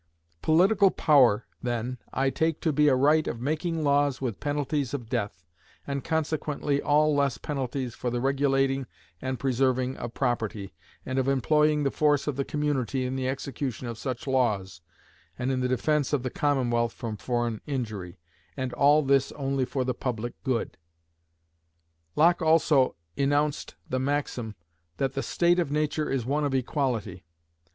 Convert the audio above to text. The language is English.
"Political power, then, I take to be a right of making laws with penalties of death, and consequently all less penalties, for the regulating and preserving of property, and of employing the force of the community in the execution of such laws, and in the defence of the commonwealth from foreign injury, and all this only for the public good." Locke also enounced the maxim, that the state of nature is one of equality.